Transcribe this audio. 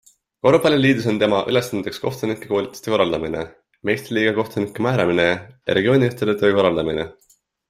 Korvpalliliidus on tema ülesanneteks kohtunike koolituste korraldamine, meistriliiga kohtunike määramine ja regioonijuhtide töö korraldamine.